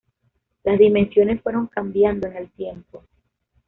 Las dimensiones fueron cambiando en el tiempo.